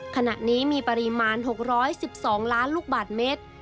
ขณะนี้มีปริมาณ๖๑๒ล้านลูกบาทเมตร